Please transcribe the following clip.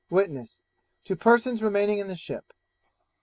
Witness 'To persons remaining in the ship.'